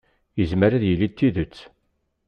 Yezmer ad yili d tidet.